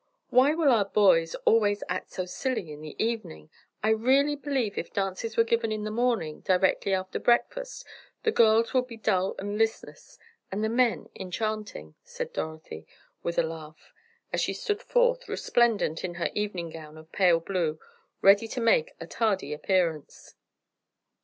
"Why will our boys always act so silly in the evening? I really believe if dances were given in the morning, directly after breakfast, the girls would be dull and listless and the men enchanting," said Dorothy with a laugh, as she stood forth, resplendent in her evening gown of pale blue, ready to make a tardy appearance.